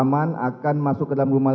bapak yang sudah menjawab